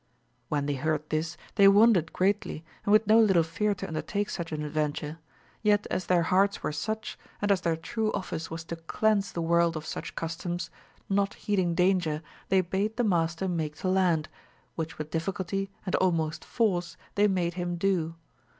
When they heard this they wondered greatly, and with no little fear to undertake such an adventure; yet as their AMADIS OF GAUL. 163 hearts were such, and as their true office was to cleanse the world of such customs, not heeding danger they hade the master make to land, which with diffi culty and almost force they made him do.